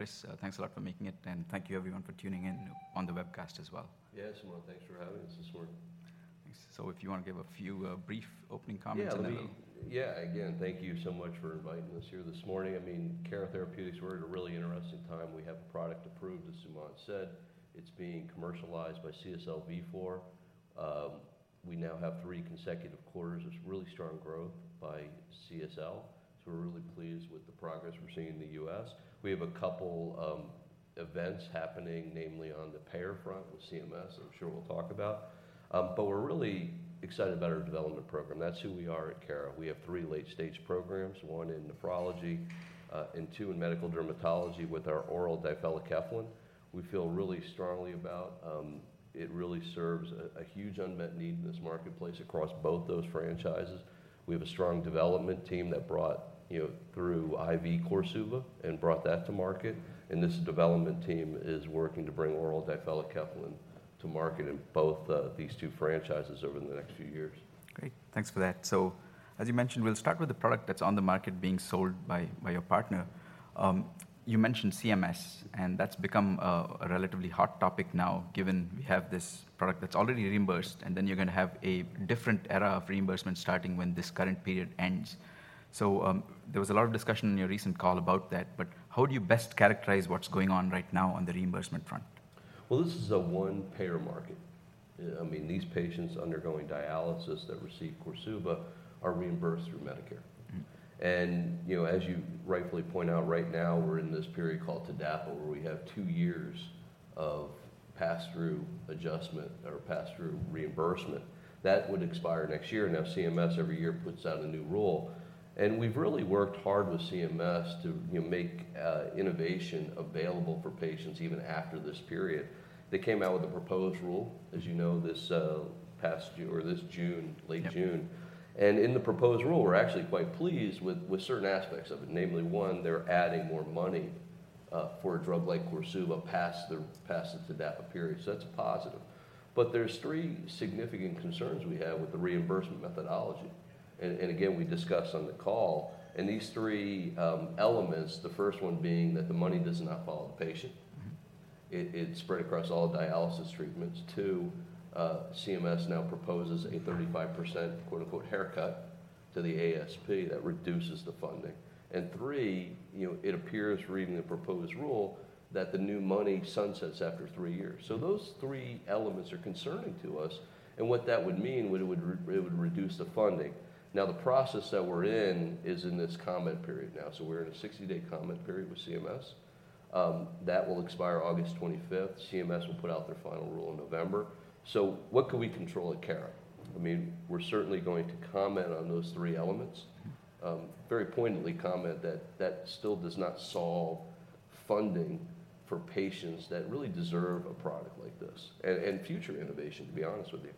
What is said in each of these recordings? Chris, thanks a lot for making it, and thank you everyone for tuning in on the webcast as well. Yeah, Sumant, thanks for having us this morning. If you want to give a few, brief opening comments, and then we'll... Yeah, I mean... Yeah, again, thank you so much for inviting us here this morning. I mean, Cara Therapeutics, we're at a really interesting time. We have a product approved, as Sumant said. It's being commercialized by CSL Vifor. We now have three consecutive quarters of really strong growth by CSL, so we're really pleased with the progress we're seeing in the US. We have a couple events happening, namely on the payer front with CMS, I'm sure we'll talk about. We're really excited about our development program. That's who we are at Cara. We have three late-stage programs, one in nephrology, and two in medical dermatology with our oral difelikefalin. We feel really strongly about. It really serves a huge unmet need in this marketplace across both those franchises. We have a strong development team that brought, you know, through IV KORSUVA and brought that to market, and this development team is working to bring oral difelikefalin to market in both, these two franchises over the next few years. Great, thanks for that. As you mentioned, we'll start with the product that's on the market being sold by, by your partner. You mentioned CMS, and that's become a, a relatively hot topic now, given we have this product that's already reimbursed, and then you're going to have a different era of reimbursement starting when this current period ends. There was a lot of discussion in your recent call about that, but how do you best characterize what's going on right now on the reimbursement front? Well, this is a one-payer market. I mean, these patients undergoing dialysis that receive KORSUVA are reimbursed through Medicare. Mm-hmm. You know, as you rightfully point out, right now, we're in this period called TDAPA, where we have two years of pass-through adjustment or pass-through reimbursement. That would expire next year. CMS every year puts out a new rule, and we've really worked hard with CMS to, you know, make innovation available for patients even after this period. They came out with a proposed rule, as you know, this past June, or this June, late June. Yep. In the proposed rule, we're actually quite pleased with, with certain aspects of it. Namely, 1, they're adding more money for a drug like KORSUVA past the, past the TDAPA period, so that's a positive. There's three significant concerns we have with the reimbursement methodology and, and again, we discussed on the call. These three elements, the first one being that the money does not follow the patient. Mm-hmm. It's spread across all dialysis treatments. Two, CMS now proposes a 35%, quote, unquote, "haircut" to the ASP that reduces the funding. Three, you know, it appears, reading the proposed rule, that the new money sunsets after three years. Those three elements are concerning to us, and what that would mean, it would reduce the funding. The process that we're in is in this comment period now, so we're in a 60-day comment period with CMS. That will expire August 25th. CMS will put out their final rule in November. What can we control at Cara? I mean, we're certainly going to comment on those three elements. Mm-hmm. Very poignantly comment that that still does not solve funding for patients that really deserve a product like this and, and future innovation, to be honest with you.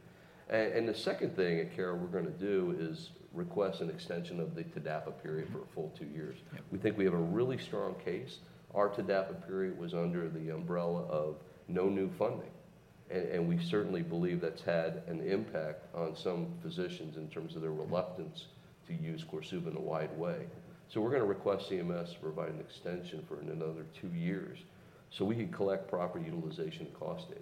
The second thing at Cara we're going to do is request an extension of the TDAPA period for a full two years. Yeah. We think we have a really strong case. Our TDAPA period was under the umbrella of no new funding, and we certainly believe that's had an impact on some physicians in terms of their reluctance to use KORSUVA in a wide way. We're going to request CMS to provide an extension for another two years, so we can collect proper utilization cost data.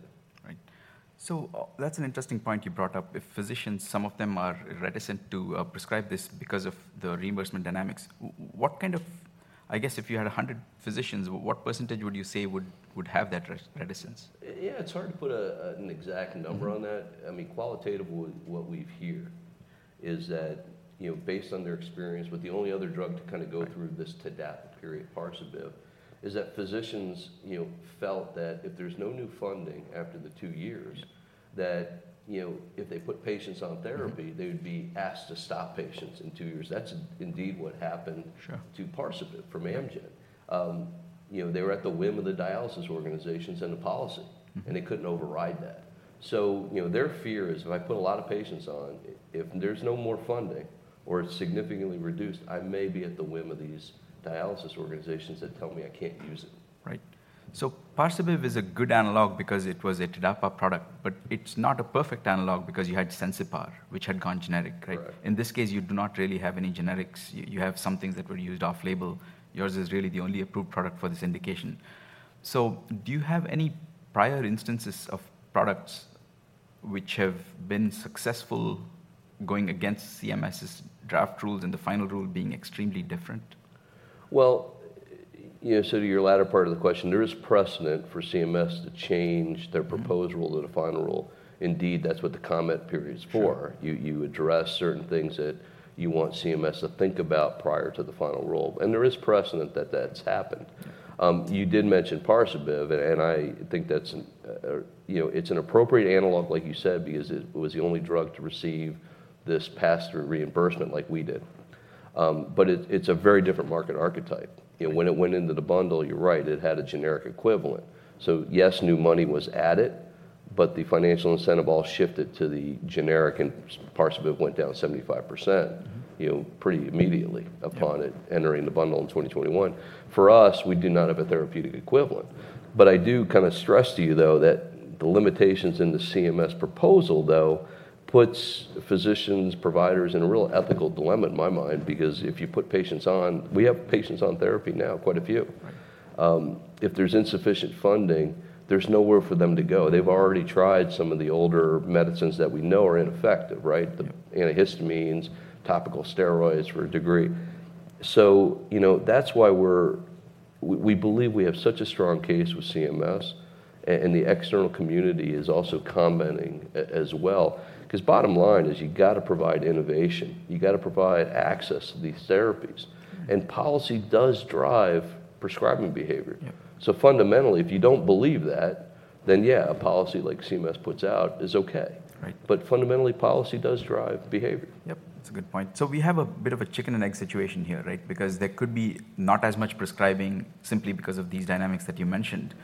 Right. That's an interesting point you brought up. If physicians, some of them are reticent to prescribe this because of the reimbursement dynamics, I guess if you had 100 physicians, what percentage would you say would, would have that reticence? Yeah, it's hard to put a, an exact number on that. Mm-hmm. I mean, qualitatively, what we hear is that, you know, based on their experience with the only other drug to kind of go through this TDAPA period, Parsabiv, is that physicians, you know, felt that if there's no new funding after the two years. Yeah... that, you know, if they put patients on therapy. Mm-hmm... they would be asked to stop patients in two years. That's indeed what happened. Sure... to Parsabiv from Amgen. You know, they were at the whim of the dialysis organizations and the policy- Mm-hmm... and they couldn't override that. You know, their fear is, "If I put a lot of patients on, if there's no more funding or it's significantly reduced, I may be at the whim of these dialysis organizations that tell me I can't use it. Right. Parsabiv is a good analog because it was a TDAPA product, but it's not a perfect analog because you had Sensipar, which had gone generic, right? Right. In this case, you do not really have any generics. You, you have some things that were used off-label. Yours is really the only approved product for this indication. Do you have any prior instances of products which have been successful going against CMS's draft rules, and the final rule being extremely different? Well, you know, so to your latter part of the question, there is precedent for CMS to change their proposed- Mm-hmm... rule to the final rule. Indeed, that's what the comment period is for. Sure. You, you address certain things that you want CMS to think about prior to the final rule, and there is precedent that that's happened. You did mention Parsabiv, and I think that's, you know, it's an appropriate analog, like you said, because it was the only drug to receive this pass-through reimbursement like we did. It, it's a very different market archetype. Mm-hmm. You know, when it went into the bundle, you're right, it had a generic equivalent. Yes, new money was added, but the financial incentive all shifted to the generic, and Parsabiv went down 75%. Mm-hmm... you know, pretty immediately- Yeah... upon it entering the bundle in 2021. For us, we do not have a therapeutic equivalent. I do kind of stress to you, though, that the limitations in the CMS proposal, though, puts physicians, providers in a real ethical dilemma in my mind, because if you put patients on, We have patients on therapy now, quite a few. Right. If there's insufficient funding, there's nowhere for them to go. They've already tried some of the older medicines that we know are ineffective, right? Yeah. The antihistamines, topical steroids to a degree. You know, that's why we believe we have such a strong case with CMS, and the external community is also commenting as well, 'cause bottom line is you've got to provide innovation. You've got to provide access to these therapies. Mm. Policy does drive prescribing behavior. Yeah. Fundamentally, if you don't believe that, then, yeah, a policy like CMS puts out is okay. Right. Fundamentally, policy does drive behavior. Yep, that's a good point. We have a bit of a chicken-and-egg situation here, right? Because there could be not as much prescribing simply because of these dynamics that you mentioned,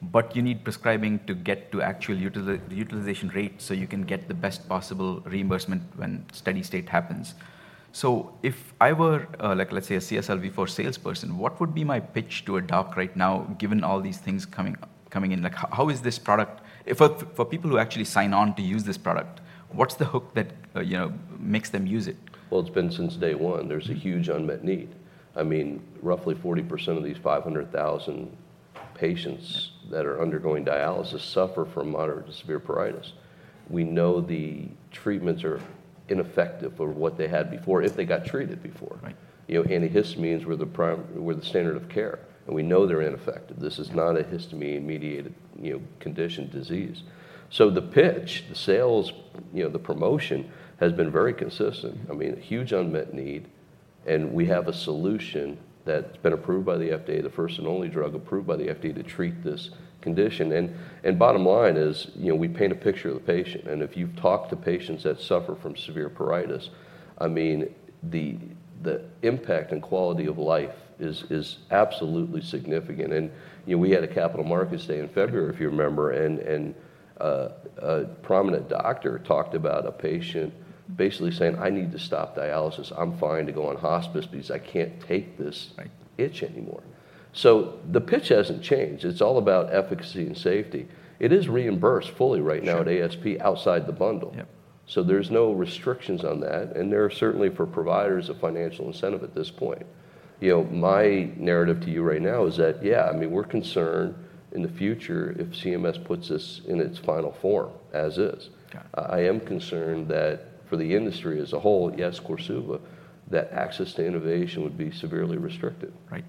but you need prescribing to get to actual utilization rate, so you can get the best possible reimbursement when steady state happens. If I were, like, let's say, a CSL Vifor salesperson, what would be my pitch to a doc right now, given all these things coming, coming in? Like, how is this product, if for people who actually sign on to use this product, what's the hook that, you know, makes them use it? Well, it's been since day one. There's a huge unmet need. I mean, roughly 40% of these 500,000 patients. Yeah... that are undergoing dialysis suffer from moderate to severe pruritus. We know the treatments are ineffective for what they had before, if they got treated before. Right. You know, antihistamines were the standard of care, and we know they're ineffective. This is not a histamine-mediated, you know, condition, disease. The pitch, the sales, you know, the promotion has been very consistent. I mean, a huge unmet need, and we have a solution that's been approved by the FDA, the first and only drug approved by the FDA to treat this condition. Bottom line is, you know, we paint a picture of the patient, and if you've talked to patients that suffer from severe pruritus, I mean, the, the impact on quality of life is, is absolutely significant. You know, we had a capital markets day in February, if you remember, and a prominent doctor talked about a patient basically saying: "I need to stop dialysis. I'm fine to go on hospice because I can't take this- Right... itch anymore. The pitch hasn't changed. It's all about efficacy and safety. It is reimbursed fully right now. Sure... at ASP outside the bundle. Yeah. There's no restrictions on that, and there are certainly, for providers, a financial incentive at this point. You know, my narrative to you right now is that, yeah, I mean, we're concerned in the future if CMS puts this in its final form as is. Got it. I, I am concerned that for the industry as a whole, yes, KORSUVA, that access to innovation would be severely restricted. Right.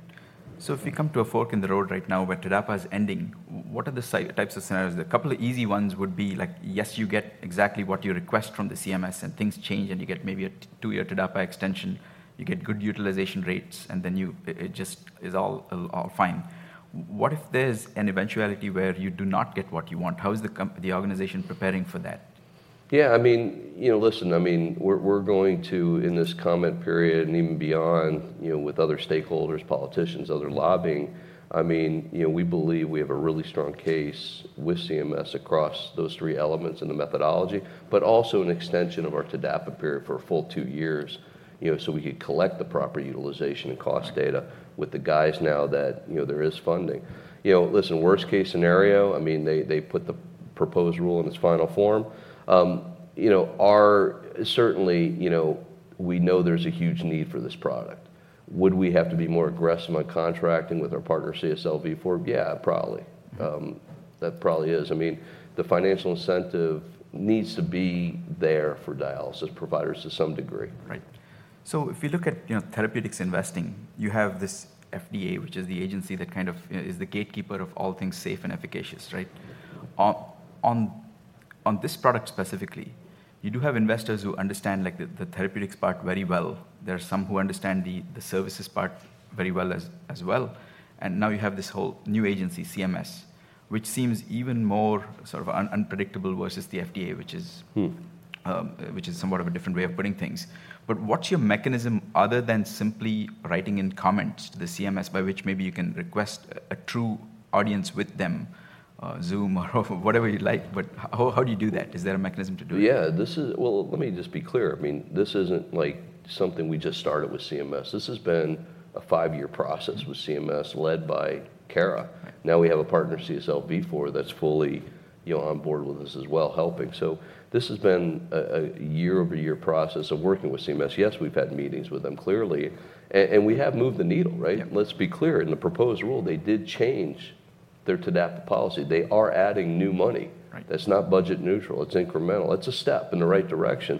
If we come to a fork in the road right now, where TDAPA is ending, what are the types of scenarios? A couple of easy ones would be like, yes, you get exactly what you request from the CMS, and things change, and you get maybe a two-year TDAPA extension. You get good utilization rates, and then it, it just is all, all fine. What if there's an eventuality where you do not get what you want? How is the organization preparing for that? Yeah, I mean, you know, listen, I mean, we're, we're going to, in this comment period and even beyond, you know, with other stakeholders, politicians, other lobbying, I mean, you know, we believe we have a really strong case with CMS across those 3 elements in the methodology, but also an extension of our TDAPA period for a full 2 years, you know, so we could collect the proper utilization and cost data with the guys now that, you know, there is funding. You know, listen, worst-case scenario, I mean, they, they put the proposed rule in its final form. You know, certainly, you know, we know there's a huge need for this product. Would we have to be more aggressive on contracting with our partner, CSL Vifor? Yeah, probably. Mm. That probably is. I mean, the financial incentive needs to be there for dialysis providers to some degree. Right. If you look at, you know, therapeutics investing, you have this FDA, which is the agency that kind of is the gatekeeper of all things safe and efficacious, right? On, on, on this product specifically, you do have investors who understand, like, the, the therapeutics part very well. There are some who understand the, the services part very well as well, and now you have this whole new agency, CMS, which seems even more sort of unpredictable versus the FDA, which is- Mm which is somewhat of a different way of putting things. What's your mechanism, other than simply writing in comments to the CMS, by which maybe you can request a, a true audience with them, Zoom or whatever you like, but how, how do you do that? Is there a mechanism to do it? Yeah, this is. Well, let me just be clear. I mean, this isn't, like, something we just started with CMS. This has been a five-year process with CMS, led by Cara. Now we have a partner, CSL Vifor, that's fully, you know, on board with us as well, helping. This has been a year-over-year process of working with CMS. Yes, we've had meetings with them, clearly, and we have moved the needle, right? Yeah. Let's be clear, in the proposed rule, they did change their TDAPA policy. They are adding new money. Right. That's not budget neutral. It's incremental. It's a step in the right direction.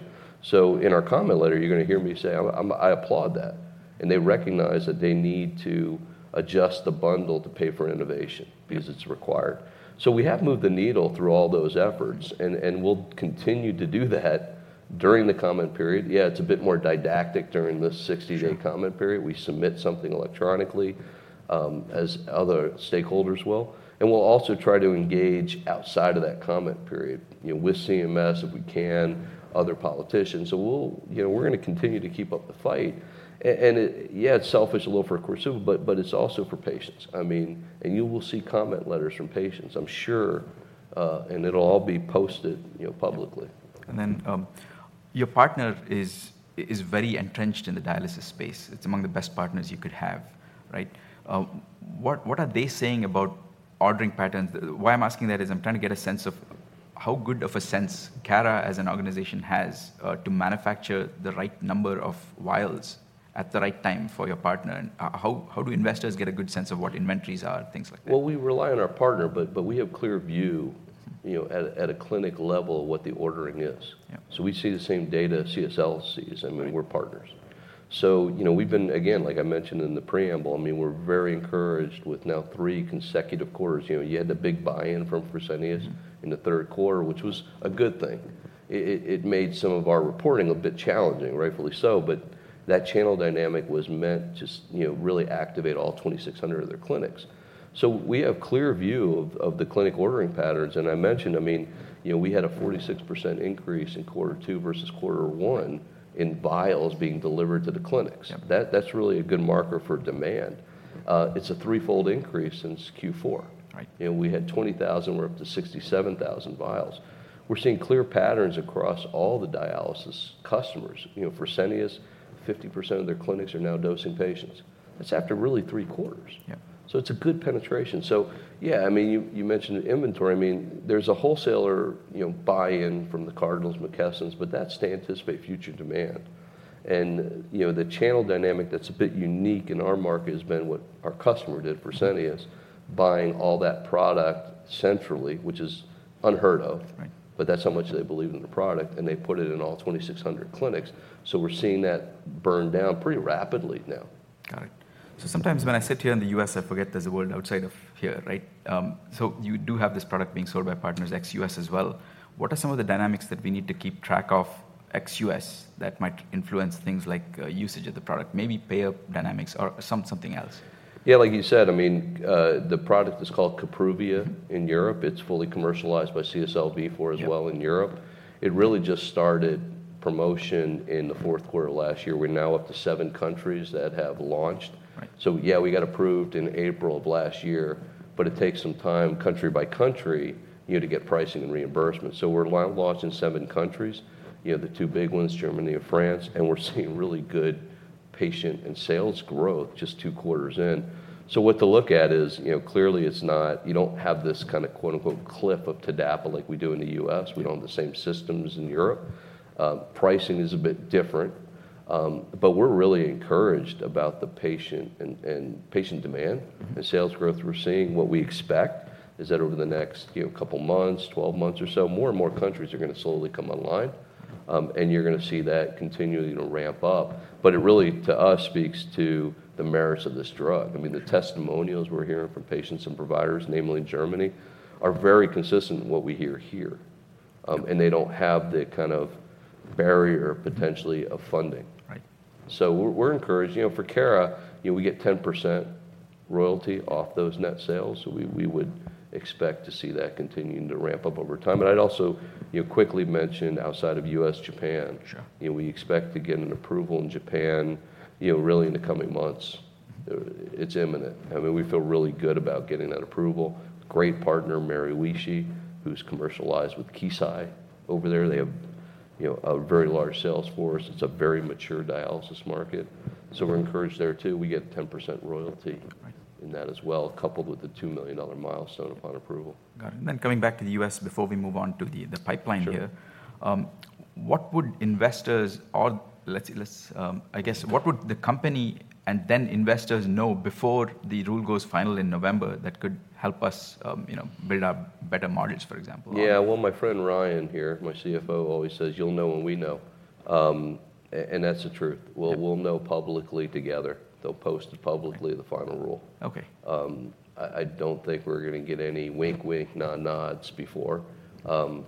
In our comment letter, you're gonna hear me say, "I'm I applaud that." They recognize that they need to adjust the bundle to pay for innovation because it's required. We have moved the needle through all those efforts, and we'll continue to do that during the comment period. It's a bit more didactic during the 60-day- Sure... comment period. We submit something electronically, as other stakeholders will, and we'll also try to engage outside of that comment period, you know, with CMS, if we can, other politicians. We'll, you know, we're gonna continue to keep up the fight. Yeah, it's selfish a little for Korsuva, but it's also for patients. I mean. You will see comment letters from patients, I'm sure, and it'll all be posted, you know, publicly. Then your partner is, is very entrenched in the dialysis space. It's among the best partners you could have, right? What, what are they saying about ordering patterns? Why I'm asking that is I'm trying to get a sense of how good of a sense Cara as an organization has to manufacture the right number of vials at the right time for your partner, and how, how do investors get a good sense of what inventories are, things like that? Well, we rely on our partner, but we have clear view, you know, at a clinic level, what the ordering is. Yeah. We see the same data CSL sees. Right. I mean, we're partners. You know, again, like I mentioned in the preamble, I mean, we're very encouraged with now three consecutive quarters. You know, you had the big buy-in from Fresenius in the third quarter, which was a good thing. It made some of our reporting a bit challenging, rightfully so, but that channel dynamic was meant to, you know, really activate all 2,600 of their clinics. We have clear view of, of the clinic ordering patterns, and I mentioned, I mean, you know, we had a 46% increase in quarter two versus quarter one in vials being delivered to the clinics. Yep. That, that's really a good marker for demand. It's a threefold increase since Q4. Right. You know, we had 20,000, we're up to 67,000 vials. We're seeing clear patterns across all the dialysis customers. You know, Fresenius, 50% of their clinics are now dosing patients. That's after really three quarters. Yeah. It's a good penetration. Yeah, I mean, you, you mentioned the inventory. I mean, there's a wholesaler, you know, buy-in from the Cardinal, McKesson, but that's to anticipate future demand. You know, the channel dynamic that's a bit unique in our market has been what our customer did, Fresenius, buying all that product centrally, which is unheard of. Right. That's how much they believe in the product, and they put it in all 2,600 clinics. We're seeing that burn down pretty rapidly now. Got it. Sometimes when I sit here in the US, I forget there's a world outside of here, right? You do have this product being sold by partners ex-US as well. What are some of the dynamics that we need to keep track of ex-US that might influence things like, usage of the product, maybe payer dynamics or something else? Yeah, like you said, I mean, the product is called Kapruvia in Europe. It's fully commercialized by CSL Vifor. Yeah... as well in Europe. It really just started promotion in the fourth quarter of last year. We're now up to seven countries that have launched. Right. Yeah, we got approved in April of last year. It takes some time, country by country, you know, to get pricing and reimbursement. We're launched in seven countries, you know, the two big ones, Germany and France, and we're seeing really good patient and sales growth just two quarters in. What to look at is, you know, clearly you don't have this kind of quote, unquote, "cliff of TDAPA" like we do in the US. Right. We don't have the same systems in Europe. Pricing is a bit different, we're really encouraged about the patient and, and patient demand. Mm-hmm... and sales growth. We're seeing what we expect, is that over the next, you know, couple months, 12 months or so, more and more countries are gonna slowly come online, and you're gonna see that continue to ramp up. It really, to us, speaks to the merits of this drug. I mean, the testimonials we're hearing from patients and providers, namely in Germany, are very consistent with what we hear here. Okay. They don't have the kind of barrier, potentially, of funding. Right. We're, we're encouraged. You know, for Cara, you know, we get 10% royalty off those net sales, so we, we would expect to see that continuing to ramp up over time. I'd also, you know, quickly mention outside of US, Japan. Sure. You know, we expect to get an approval in Japan, you know, really in the coming months. It's imminent. I mean, we feel really good about getting that approval. Great partner, Maruishi, who's commercialized with Kissei over there. They have, you know, a very large sales force. It's a very mature dialysis market. Mm-hmm. We're encouraged there, too. We get 10% royalty- Right in that as well, coupled with the $2 million milestone upon approval. Got it. Then coming back to the US before we move on to the pipeline here. Sure. What would investors or I guess, what would the company and then investors know before the rule goes final in November that could help us, you know, build up better margins, for example? Yeah, well, my friend Ryan here, my CFO, always says, "You'll know when we know." That's the truth. Yeah. We'll know publicly together. They'll post it publicly, the final rule. Okay. I, I don't think we're gonna get any wink, wink, nod, nods before,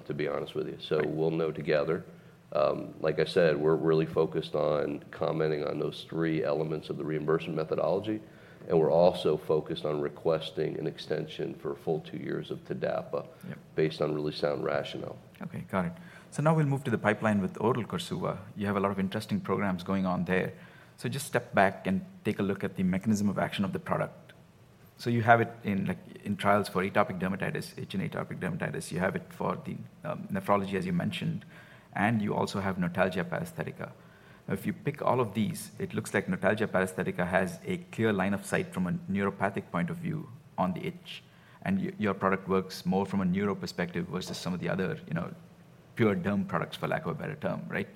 to be honest with you. Right. We'll know together. Like I said, we're really focused on commenting on those 3 elements of the reimbursement methodology, and we're also focused on requesting an extension for a full two years of TDAPA. Yep... based on really sound rationale. Okay, got it. Now we'll move to the pipeline with oral KORSUVA. You have a lot of interesting programs going on there. Just step back and take a look at the mechanism of action of the product. You have it in, like, in trials for atopic dermatitis, itch and atopic dermatitis. You have it for the nephrology, as you mentioned, and you also have notalgia paresthetica. If you pick all of these, it looks like notalgia paresthetica has a clear line of sight from a neuropathic point of view on the itch, and your product works more from a neuro perspective versus some of the other, you know, pure derm products, for lack of a better term, right?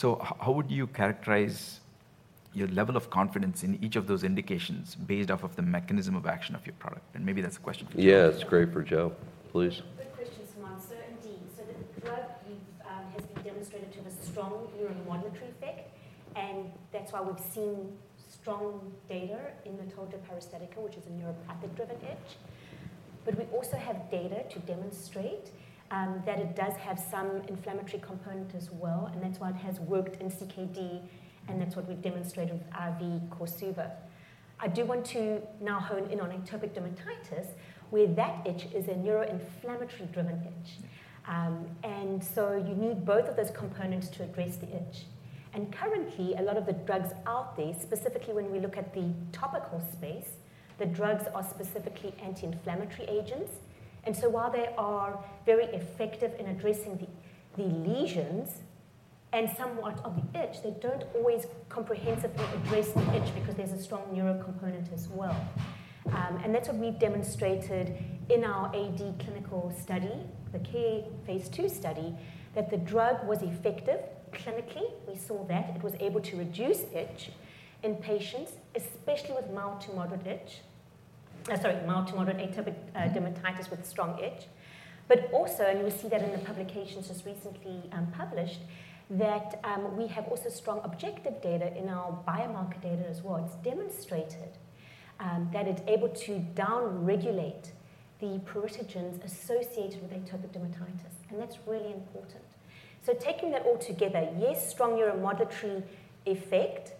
How would you characterize your level of confidence in each of those indications based off of the mechanism of action of your product? Maybe that's a question for Jo. Yeah, it's great for Jo. Please. Good question, Sumant. Indeed, the drug we've has been demonstrated to have a strong neuromodulatory effect, that's why we've seen strong data in notalgia paresthetica, which is a neuropathic-driven itch. We also have data to demonstrate that it does have some inflammatory component as well, and that's why it has worked in CKD, and that's what we've demonstrated with IV KORSUVA. I do want to now hone in on atopic dermatitis, where that itch is a neuroinflammatory-driven itch. You need both of those components to address the itch. Currently, a lot of the drugs out there, specifically when we look at the topical space, the drugs are specifically anti-inflammatory agents. While they are very effective in addressing the, the lesions and somewhat of the itch, they don't always comprehensively address the itch because there's a strong neuro component as well. That's what we've demonstrated in our AD clinical study, the KARE Phase 2 study, that the drug was effective clinically. We saw that it was able to reduce itch in patients, especially with mild to moderate itch. Sorry, mild to moderate atopic dermatitis with strong itch. Also, and you will see that in the publications just recently published, that we have also strong objective data in our biomarker data as well. It's demonstrated that it's able to downregulate the pruritogens associated with atopic dermatitis, that's really important. Taking that all together, yes, strong neuromodulatory effect,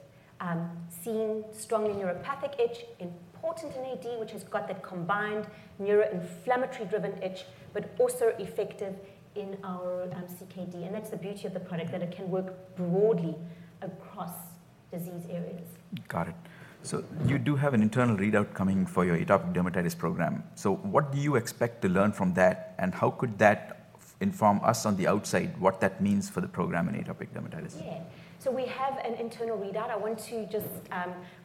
seen strong in neuropathic itch, important in AD, which has got that combined neuroinflammatory-driven itch, but also effective in our CKD, and that's the beauty of the product, that it can work broadly across disease areas. Got it. You do have an internal readout coming for your atopic dermatitis program. What do you expect to learn from that, and how could that inform us on the outside, what that means for the program in atopic dermatitis? Yeah. We have an internal readout. I want to just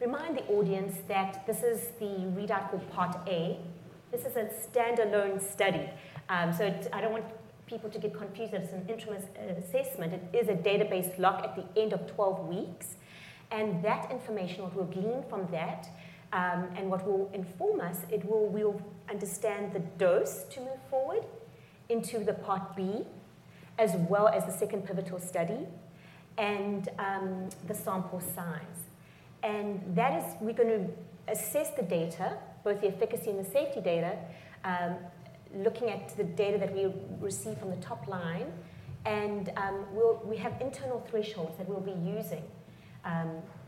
remind the audience that this is the readout for Part A. This is a standalone study. I don't want people to get confused that it's an interim assessment. It is a database lock at the end of 12 weeks, and that information, what we'll glean from that, and what will inform us, We'll understand the dose to move forward into the Part B, as well as the second pivotal study and the sample size. That is, we're gonna assess the data, both the efficacy and the safety data, looking at the data that we receive from the top line, and we have internal thresholds that we'll be using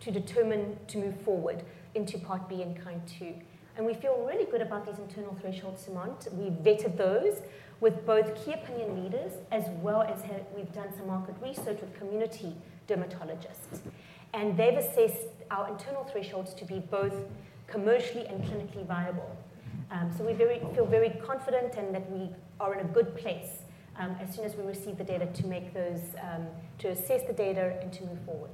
to determine to move forward into Part B and KIND two. We feel really good about these internal thresholds, Sumant. We've vetted those with both key opinion leaders as well as we've done some market research with community dermatologists, and they've assessed our internal thresholds to be both commercially and clinically viable. We feel very confident and that we are in a good place, as soon as we receive the data to make those, to assess the data and to move forward.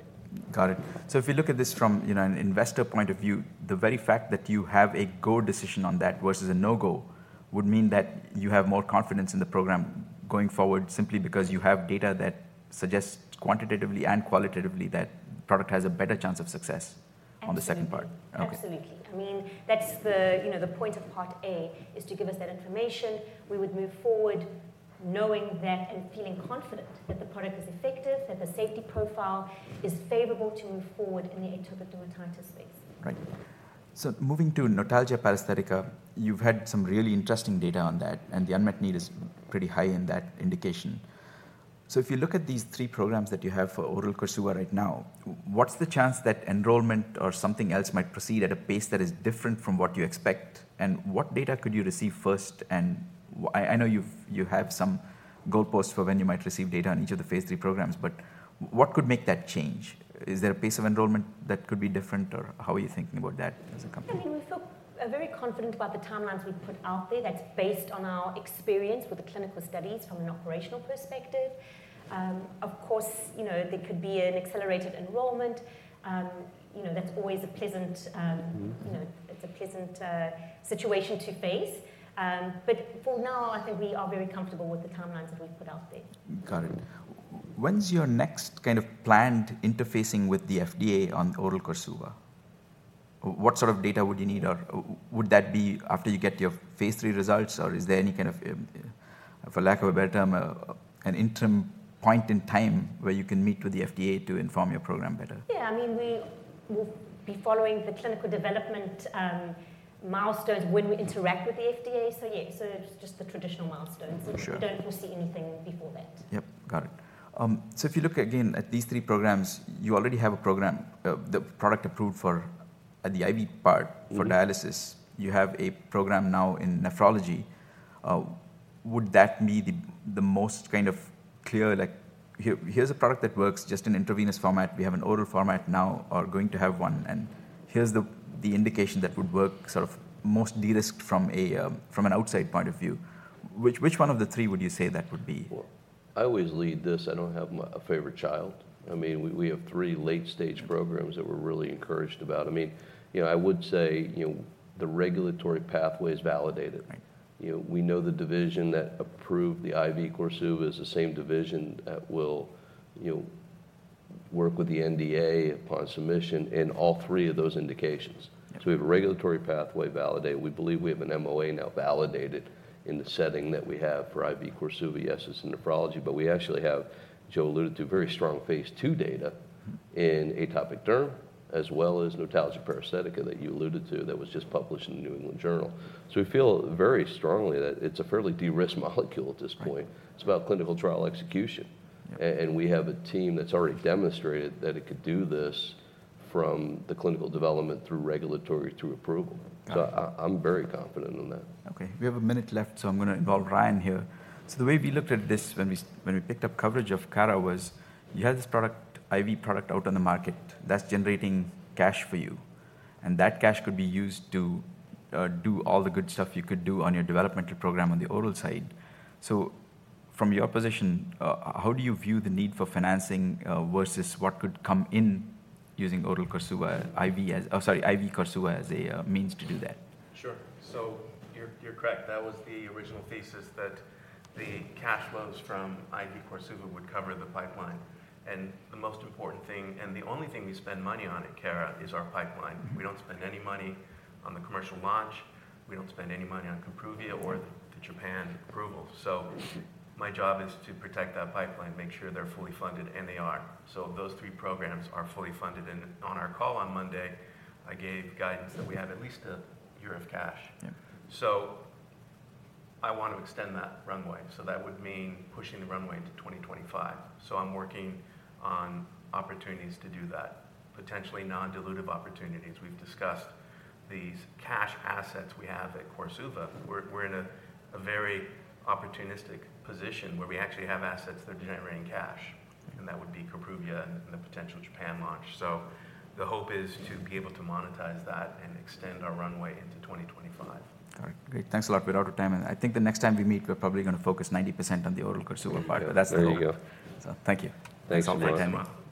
Got it. If you look at this from, you know, an investor point of view, the very fact that you have a go decision on that versus a no-go would mean that you have more confidence in the program going forward, simply because you have data that suggests quantitatively and qualitatively that product has a better chance of success. Absolutely. -on the second part. Okay. Absolutely. I mean, that's the, you know, the point of Part A, is to give us that information. We would move forward knowing that and feeling confident that the product is effective, that the safety profile is favorable to move forward in the atopic dermatitis space. Right. Moving to notalgia paresthetica, you've had some really interesting data on that, and the unmet need is pretty high in that indication. If you look at these three programs that you have for oral KORSUVA right now, what's the chance that enrollment or something else might proceed at a pace that is different from what you expect? What data could you receive first, and I know you've, you have some goalposts for when you might receive data on each of the Phase 3 programs, but what could make that change? Is there a pace of enrollment that could be different, or how are you thinking about that as a company? I think we feel very confident about the timelines we've put out there. That's based on our experience with the clinical studies from an operational perspective. Of course, you know, there could be an accelerated enrollment. You know, that's always a pleasant. Mm-hmm. you know, it's a pleasant, situation to face. For now, I think we are very comfortable with the timelines that we've put out there. Got it. When's your next kind of planned interfacing with the FDA on oral KORSUVA? What sort of data would you need, or would that be after you get your phase 3 results, or is there any kind of, for lack of a better term, an interim point in time where you can meet with the FDA to inform your program better? Yeah, I mean, we will be following the clinical development milestones when we interact with the FDA. Yeah, so just the traditional milestones. For sure. We don't foresee anything before that. Yep, got it. If you look again at these 3 programs, you already have a program, the product approved for at the IV part. Mm-hmm. -for dialysis. You have a program now in nephrology. Would that be the, the most kind of clear, like, "Here, here's a product that works just in intravenous format. We have an oral format now or going to have one, and here's the, the indication that would work," sort of most de-risked from a, from an outside point of view? Which, which one of the three would you say that would be? I always lead this. I don't have a favorite child. I mean, we, we have 3 late-stage programs. Mm-hmm. that we're really encouraged about. I mean, you know, I would say, you know, the regulatory pathway is validated. Right. You know, we know the division that approved the IV KORSUVA is the same division that will, you know, work with the NDA upon submission in all three of those indications. Yes. We have a regulatory pathway validated. We believe we have an MOA now validated in the setting that we have for IV KORSUVA. Yes, it's in nephrology, but we actually have, Jo alluded to, very strong Phase 2 data. Mm-hmm. -in atopic derm, as well as notalgia paresthetica that you alluded to, that was just published in the New England Journal. We feel very strongly that it's a fairly de-risked molecule at this point. Right. It's about clinical trial execution. Yeah. We have a team that's already demonstrated that it could do this from the clinical development through regulatory, through approval. Got it. I, I'm very confident in that. We have a minute left, I'm gonna involve Ryan here. The way we looked at this when we, when we picked up coverage of Cara was, you had this product, IV product, out on the market that's generating cash for you, and that cash could be used to do all the good stuff you could do on your development program on the oral side. From your position, how do you view the need for financing versus what could come in using oral KORSUVA, IV as... Oh, sorry, IV KORSUVA as a means to do that? Sure. You're correct. That was the original thesis, that the cash flows from IV KORSUVA would cover the pipeline. The most important thing, and the only thing we spend money on at Cara, is our pipeline. Mm-hmm. We don't spend any money on the commercial launch. We don't spend any money on Kapruvia or the Japan approval. My job is to protect that pipeline, make sure they're fully funded, and they are. Those three programs are fully funded, and on our call on Monday, I gave guidance that we have at least a year of cash. Yeah. I want to extend that runway, so that would mean pushing the runway into 2025. I'm working on opportunities to do that, potentially non-dilutive opportunities. We've discussed these cash assets we have at KORSUVA. We're in a very opportunistic position where we actually have assets that are generating cash, and that would be Kapruvia and the potential Japan launch. The hope is to be able to monetize that and extend our runway into 2025. All right, great. Thanks a lot. We're out of time. I think the next time we meet, we're probably gonna focus 90% on the oral KORSUVA part. There you go. That's the hope. Thank you. Thanks, everyone. Thanks for your time.